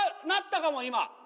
なったかも今！